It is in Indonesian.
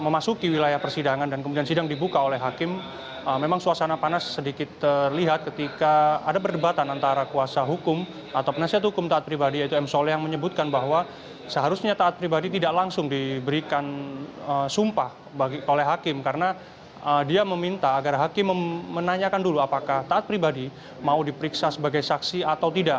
penghubungan di wilayah persidangan dan kemudian sidang dibuka oleh hakim memang suasana panas sedikit terlihat ketika ada perdebatan antara kuasa hukum atau penasihat hukum taat pribadi yaitu m soleh yang menyebutkan bahwa seharusnya taat pribadi tidak langsung diberikan sumpah oleh hakim karena dia meminta agar hakim menanyakan dulu apakah taat pribadi mau diperiksa sebagai saksi atau tidak